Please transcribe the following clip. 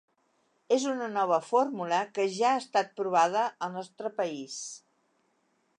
És una nova fórmula que ja ha estat provada al nostre país.